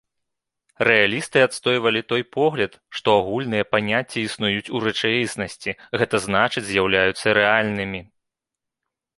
Рэалісты адстойвалі той погляд, што агульныя паняцці існуюць у рэчаіснасці, гэта значыць з'яўляюцца рэальнымі.